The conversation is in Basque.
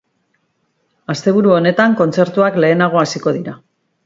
Asteburu honetan, kontzertuak lehenago hasiko dira.